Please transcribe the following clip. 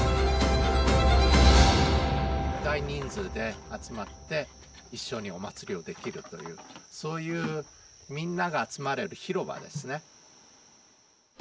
大人数で集まって一緒にお祀りをできるというそういうみんなが集まれる広場ですね。